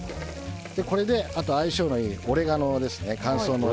これであと相性のいい乾燥のオレガノですね。